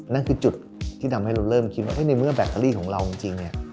นั่นคือจุดที่เริ่มคิดว่าในเมื่อแบตเตอรี่ของเรามีจริง